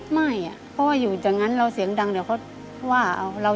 ไม่เพราะว่าอยู่อย่างนั้นเราเสียงดังเดี๋ยวเขาว่าเอา